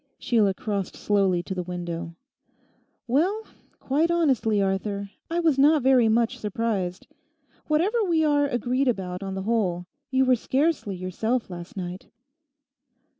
Sheila crossed slowly to the window. 'Well, quite honestly, Arthur, I was not very much surprised. Whatever we are agreed about on the whole, you were scarcely yourself last night.